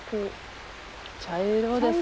茶色ですね。